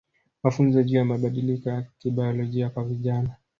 Mafunzo juu ya mabadiliko ya kibayolojia kwa vijana